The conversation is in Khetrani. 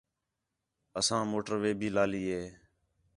اَساں موٹر وے بھی لالی ہے